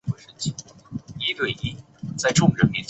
清末毅军将领。